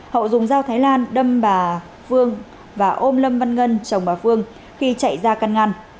hậu dùng dao thái lan đâm bà phương và ôm lâm văn ngân chồng bà phương khi chạy ra căn ngăn